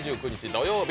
土曜日